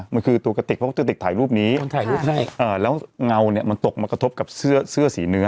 มันคือตัวกระติกเพราะกระติกถ่ายรูปนี้มันถ่ายรูปให้แล้วเงาเนี่ยมันตกมากระทบกับเสื้อเสื้อสีเนื้อ